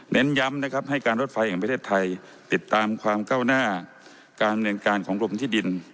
เน้นย้ำให้การรถไฟของประเทศไทยติดตามความเก้าหน้าการบริเวณการของกรมที่ดิน